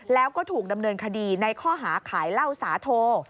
แล้วก็ถูกดำเนินคดีในข้อหาขายเหล้าสาโท